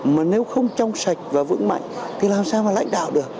mà nếu không trong sạch và vững mạnh thì làm sao mà lãnh đạo được